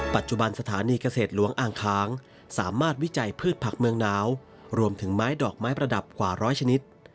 ปัจจุบันสถานีเกษตรหลวงอ่างค้างสามารถวิจัยพืชผักเมืองหนาวรวมถึงไม้ดอกไม้ประดับกว่าร้อยชนิด